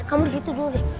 kamu duduk bang